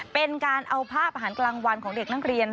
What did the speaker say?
เป็นการเอาภาพอาหารกลางวันของเด็กนักเรียน